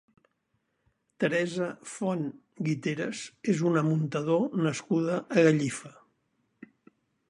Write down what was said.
Teresa Font Guiteras és una muntador nascuda a Gallifa.